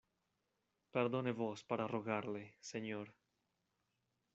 perdone vos, para rogarle , señor...